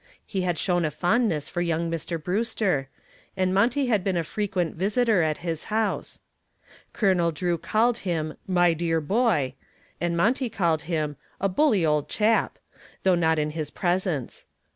He had shown a fondness for young Mr. Brewster, and Monty had been a frequent visitor at his house. Colonel Drew called him "my dear boy," and Monty called him "a bully old chap," though not in his presence.